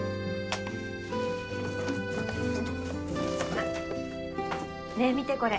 あっねえ見てこれ。